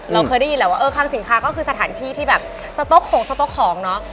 เราเคยได้ยินแหละว่าเออคังสินค้าก็คือสถานที่ที่แบบสต๊กของสต๊อกของเนาะ